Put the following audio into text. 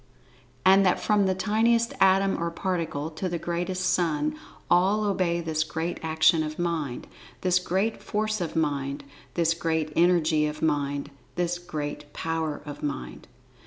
And that from the tiniest atom, or particle, to the greatest Sun—all obey this Great Action of Mind—this[Pg 29] Great Force of Mind—this Great Energy of Mind—this Great Power of Mind.